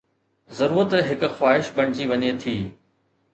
ضرورت هڪ خواهش بڻجي وڃي ٿي